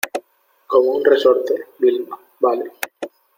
como un resorte. Vilma, vale .